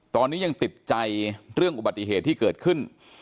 ตอนนี้ยังติดใจเรื่องอุบัติเหตุที่เกิดขึ้น